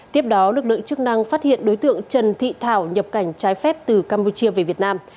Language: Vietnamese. tiếp đó lực lượng chức năng phát hiện đối tượng trần thị thảo nhập cảnh trái phép từ campuchia về việt nam